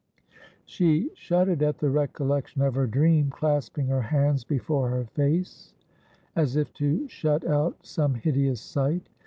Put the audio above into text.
She shuddered at the recollection of her dream, clasping her hands before her face, as if to shut out some hideous sight.